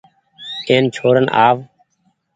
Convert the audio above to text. اين ڇوڙين آ و۔